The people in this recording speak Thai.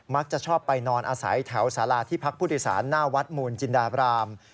มักจะชอบไปนอนอาศัยแถวสาราที่พักพุทธศาสตร์หน้าวัดหมุนจินดาบราม